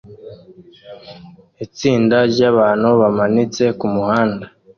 Itsinda ryabantu bamanitse kumuhanda